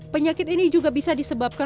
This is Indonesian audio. penyakit ini juga bisa disebabkan